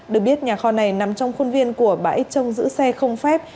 được biết nhà kho này nằm trong khuôn viên của bãi trông giữ xe không phép